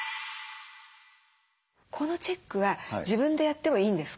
このチェックは自分でやってもいいんですか？